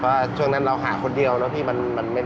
เพราะว่าช่วงนั้นเราหาคนเดียวแล้วพี่มันไม่ทัน